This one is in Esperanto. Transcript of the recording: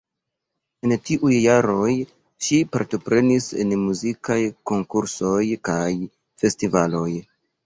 En tiuj jaroj ŝi partoprenis en muzikaj konkursoj kaj festivaloj.